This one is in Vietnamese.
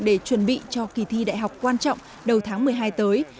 để chuẩn bị cho kỳ thi đại học quan trọng đầu tháng một mươi hai tới